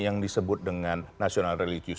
yang disebut dengan national religius